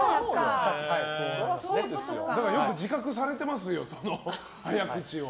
だからよく自覚されてますよ、早口を。